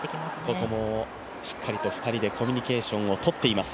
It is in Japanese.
ここもしっかりと２人でコミュニケーションをとっています。